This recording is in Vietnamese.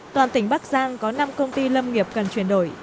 toàn tỉnh bắc giang có năm công ty lâm nghiệp cần chuyển đổi